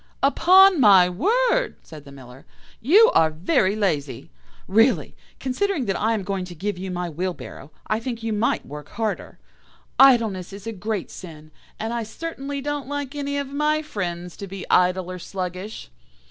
"'Upon my word,' said the Miller, 'you are very lazy. Really, considering that I am going to give you my wheelbarrow, I think you might work harder. Idleness is a great sin, and I certainly don't like any of my friends to be idle or sluggish.